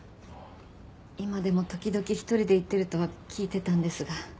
今でも時々一人で行ってるとは聞いてたんですが。